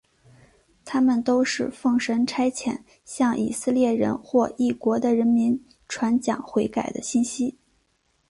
他们都是奉神差遣向以色列人或异国的人民传讲悔改的信息。